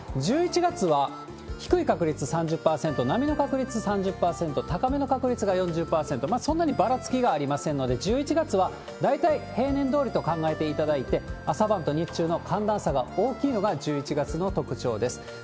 １１月は、低い確率３０％、並みの確率３０％、高めの確率が４０％、そんなにばらつきがありませんので、１１月は大体平年どおりと考えていただいて、朝晩と日中の寒暖差が大きいのが１１月の特徴です。